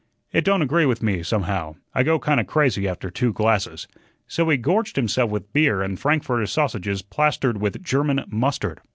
"It don't agree with me, somehow; I go kinda crazy after two glasses." So he gorged himself with beer and frankfurter sausages plastered with German mustard.